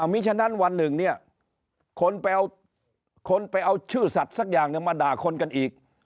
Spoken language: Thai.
มีฉะนั้นวันหนึ่งคนไปเอาชื่อสัตว์สักอย่างมาด่าคนกันอีก